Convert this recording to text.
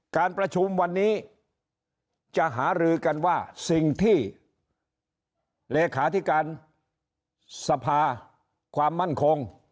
การประชุมวันนี้จะหารือกันว่าสิ่งที่เลขาธิการสภาความมั่นคง